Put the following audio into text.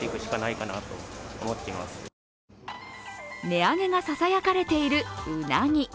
値上げがささやかれているうなぎ。